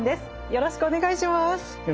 よろしくお願いします。